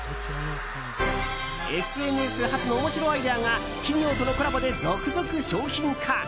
ＳＮＳ発の面白アイデアが企業とのコラボで続々商品化。